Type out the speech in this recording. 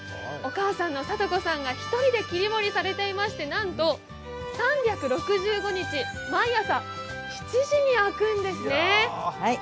お母さんの智子さんが１人で切り盛りされていまして、なんと３６５日毎朝７時に開くんですね。